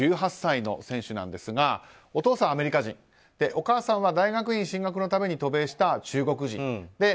１８歳の選手なんですがお父さんはアメリカ人お母さんは大学院進学のために渡米した中国人。